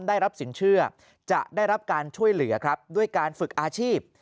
ได้รับสินเชื่อจะได้รับการช่วยเหลือครับด้วยการฝึกอาชีพ